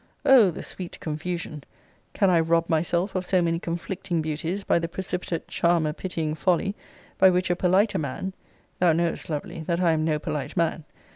O the sweet confusion! Can I rob myself of so many conflicting beauties by the precipitate charmer pitying folly, by which a politer man [thou knowest, lovely, that I am no polite man!